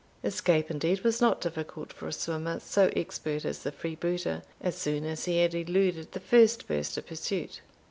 Escape, indeed, was not difficult for a swimmer so expert as the freebooter, as soon as he had eluded the first burst of pursuit.